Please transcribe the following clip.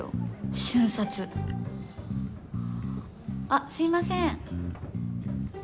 あっすいません。